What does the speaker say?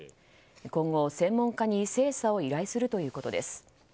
今後、専門家に精査を依頼するということです。